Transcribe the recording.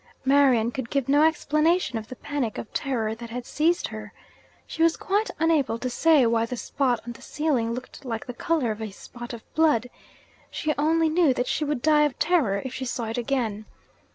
Marian could give no explanation of the panic of terror that had seized her. She was quite unable to say why the spot on the ceiling looked like the colour of a spot of blood. She only knew that she should die of terror if she saw it again.